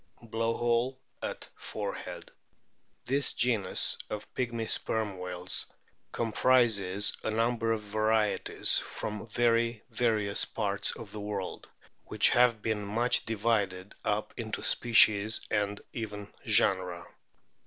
Blow hole at forehead. This genus of " Pygmy Sperm whales " comprises a number of varieties from very various parts of the world, which have been much divided up into species and even genera.